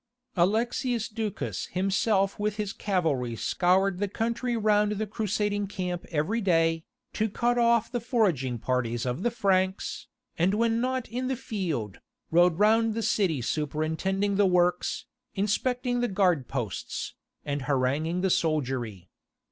Alexius Ducas himself with his cavalry scoured the country round the Crusading camp every day, to cut off the foraging parties of the Franks, and when not in the field, rode round the city superintending the works, inspecting the guard posts, and haranguing the soldiery.